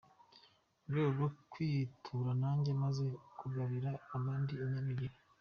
Mu rwego rwo kwitura nanjye maze kugabira abandi inyana ebyiri.